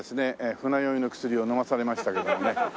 船酔いの薬を飲まされましたけどもね。